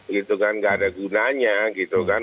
gitu kan nggak ada gunanya gitu kan